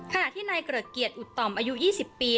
ขณะที่นายเกริกเกียรติอุตต่อมอายุ๒๐ปี